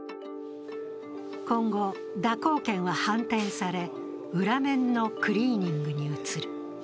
今後、蛇行剣は反転され、裏面のクリーニングに移る。